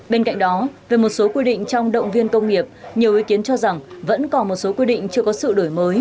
bên cạnh đó về một số quy định trong động viên công nghiệp nhiều ý kiến cho rằng vẫn còn một số quy định chưa có sự đổi mới